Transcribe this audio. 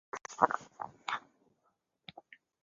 菲白竹为禾本科大明竹属下的一个种。